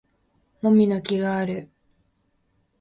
もみの木がある